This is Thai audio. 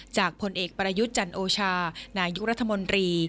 ผลเอกประยุทธ์จันโอชานายกรัฐมนตรี